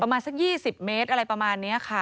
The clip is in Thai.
ประมาณสัก๒๐เมตรอะไรประมาณนี้ค่ะ